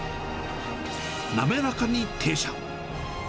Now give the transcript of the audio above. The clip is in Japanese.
滑らかに停車。